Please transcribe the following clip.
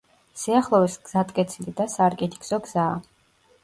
სიახლოვეს გზატკეცილი და სარკინიგზო გზაა.